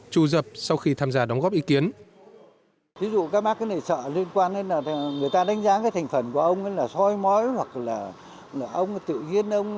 trù dập sau khi tham gia đảng